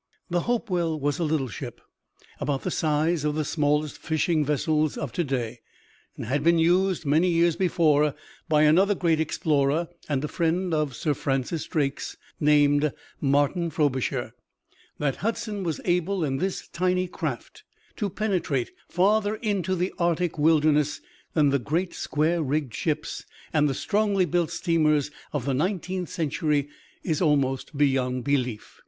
The Hopewell was a little ship, about the size of the smallest fishing vessels of to day; and had been used many years before by another great explorer and a friend of Sir Francis Drake's named Martin Frobisher. That Hudson was able in this tiny craft to penetrate farther into the arctic wilderness than the great square rigged ships and the strongly built steamers of the nineteenth century, is almost beyond belief.